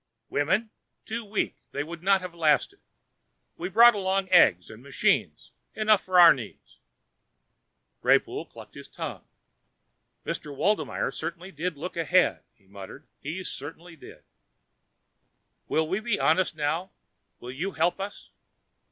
"Women? Too weak; they would not have lasted. We brought along eggs and machines enough for our needs." Mr. Greypoole clucked his tongue. "Mr. Waldmeyer certainly did look ahead," he muttered, "he certainly did." "Will we be honest now? Will you help us?"